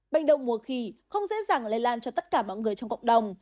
bệnh đậu mùa khỉ không dễ dàng lây lan cho tất cả mọi người trong cộng đồng